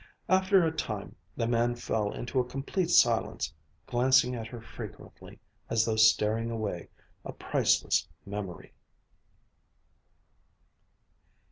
After a time, the man fell into a complete silence, glancing at her frequently as though storing away a priceless memory....